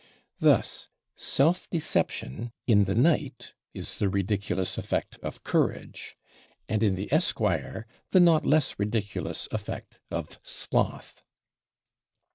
Thus self deception in the knight is the ridiculous effect of courage, and in the esquire the not less ridiculous effect of sloth.